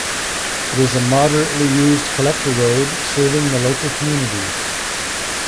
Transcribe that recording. It is a moderately used collector road serving the local community.